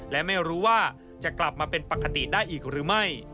และไม่รู้ว่าจะกลับมาเป็นปกติได้อีกหรือไม่